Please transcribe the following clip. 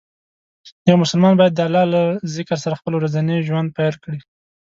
یو مسلمان باید د الله له ذکر سره خپل ورځنی ژوند پیل کړي.